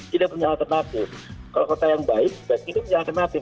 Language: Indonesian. tidak punya alternatif kalau kota yang baik dan punya alternatif